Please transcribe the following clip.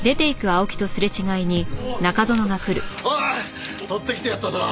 おい取ってきてやったぞ。